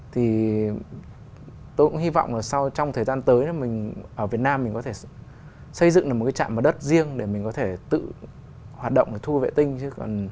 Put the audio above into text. thì tôi cũng hy vọng trong thời gian tới ở việt nam mình có thể xây dựng một trạm bắt đất riêng để mình có thể tự hoạt động thu vệ tinh